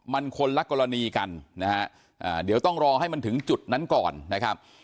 มันคนละกรณีกันนะฮะเดี๋ยวต้องรอให้มันถึงจุดนั้นก่อนนะครับ